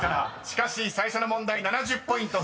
［しかし最初の問題７０ポイント。